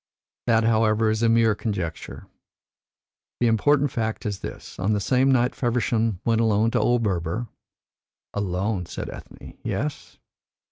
That, however, is a mere conjecture. The important fact is this. On the same night Feversham went alone to old Berber." "Alone!" said Ethne. "Yes?"